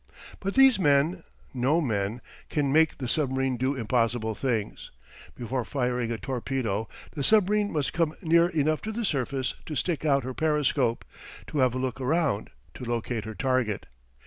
But these men, no men, can make the submarine do impossible things. Before firing a torpedo the submarine must come near enough to the surface to stick out her periscope, to have a look around to locate her target.